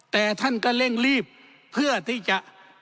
แต่ท่านก็เร่งรีบเพื่อที่จะ